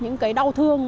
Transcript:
những cái đau thương